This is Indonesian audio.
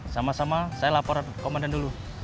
sama sama saya lapor komandan dulu